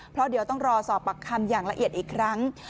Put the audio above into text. เพราะเดี๋ยวต้องรอสอบปากคำอย่างละเอียดอีกครั้ง